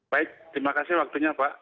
baik terima kasih waktunya pak